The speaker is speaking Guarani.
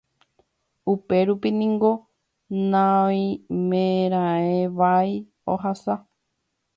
Upérupi niko naoimeraẽvai ohasa.